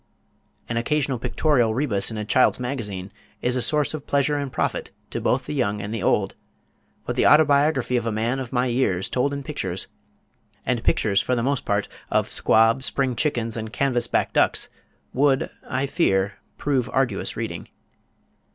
An occasional pictorial rebus in a child's magazine is a source of pleasure and profit to both the young and the old, but the autobiography of a man of my years told in pictures, and pictures for the most part of squab, spring chickens, and canvas back ducks, would, I fear, prove arduous reading.